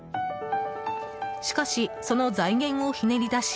しかし、その財源をひねり出し